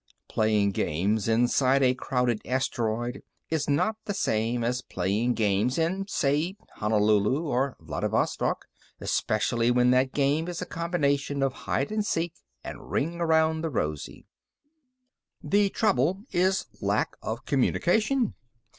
Playing games inside a crowded asteroid is not the same as playing games in, say, Honolulu or Vladivostok, especially when that game is a combination of hide and seek and ring around the Rosie. The trouble is lack of communication.